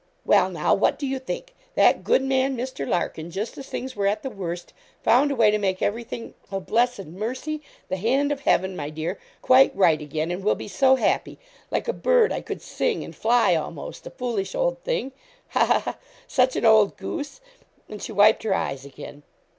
'Well, now, what do you think that good man, Mr. Larkin, just as things were at the worst, found a way to make everything oh, blessed mercy! the hand of Heaven, my dear quite right again and we'll be so happy. Like a bird I could sing, and fly almost a foolish old thing ha! ha! ha! such an old goose!' and she wiped her eyes again.